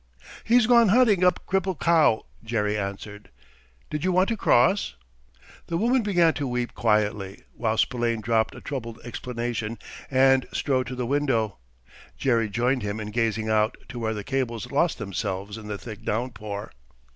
"He's gone hunting up Cripple Cow," Jerry answered. "Did you want to cross?" The woman began to weep quietly, while Spillane dropped a troubled exclamation and strode to the window. Jerry joined him in gazing out to where the cables lost themselves in the thick downpour.